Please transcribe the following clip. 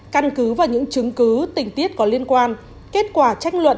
căn cứ và những chứng cứ tình tiết có liên quan kết quả tranh luận